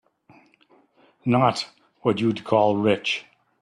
Not what you'd call rich.